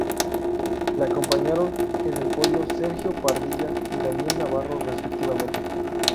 Le acompañaron en el podio Sergio Pardilla y Daniel Navarro, respectivamente.